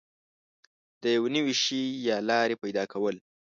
د یو نوي شي یا لارې پیدا کول